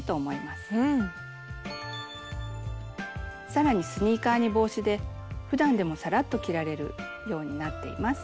さらにスニーカーに帽子でふだんでもさらっと着られるようになっています。